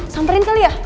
samperin kali ya